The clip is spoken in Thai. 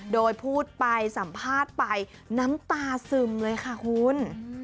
โดยพูดไปสัมภาษณ์ไปน้ำตาซึมเลยค่ะคุณ